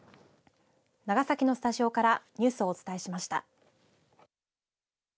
長崎のスタジオからニュースをお伝えしました。